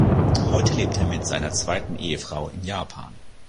Heute lebt er mit seiner zweiten Ehefrau in Japan.